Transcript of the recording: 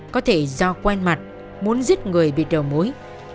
có thể do quen mặt muốn giết người bị đầu mối